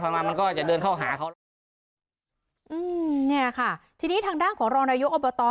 มามันก็จะเดินเข้าหาเขาแล้วอืมเนี่ยค่ะทีนี้ทางด้านของรองนายกอบต